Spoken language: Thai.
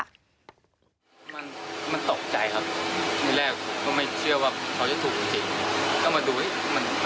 มันตกใจครับ